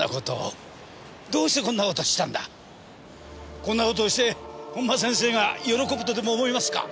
こんなことをして本間先生が喜ぶとでも思いますか。